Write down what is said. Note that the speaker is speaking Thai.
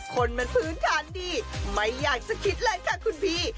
คนมันพื้นฐานดีไม่อยากจะคิดเลยค่ะคุณพี่